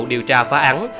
điều tra phá án